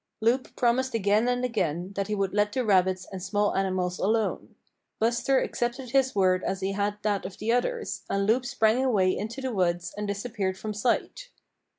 Loup promised again and again that he would let the rabbits and small animals alone. Buster accepted his word as he had that of the others, and Loup sprang away into the woods and disappeared from sight.